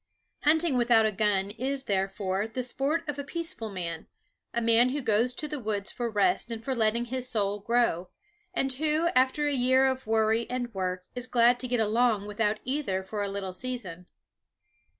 Hunting without a gun is, therefore, the sport of a peaceful man, a man who goes to the woods for rest and for letting his soul grow, and who after a year of worry and work is glad to get along without either for a little season.